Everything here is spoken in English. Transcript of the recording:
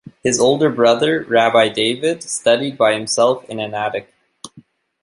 His older brother, Rabbi David, studied by himself in an attic.